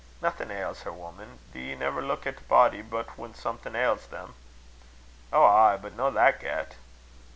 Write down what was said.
"Naething ails her, woman. Do ye never leuk at a body but when something ails them?" "Ow, ay but no that get."